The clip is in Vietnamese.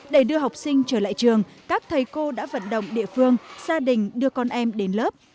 để đưa học sinh trở lại trường các thầy cô đã vận động địa phương gia đình đưa con em đến lớp